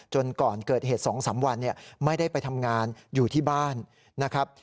ก่อนเกิดเหตุ๒๓วันไม่ได้ไปทำงานอยู่ที่บ้านนะครับ